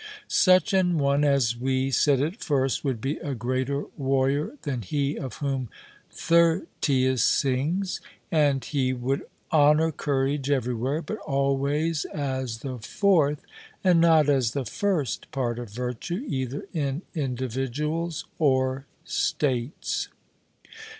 Such an one, as we said at first, would be a greater warrior than he of whom Tyrtaeus sings; and he would honour courage everywhere, but always as the fourth, and not as the first part of virtue, either in individuals or states.